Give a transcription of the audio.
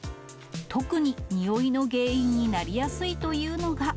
特に臭いの原因になりやすいというのが。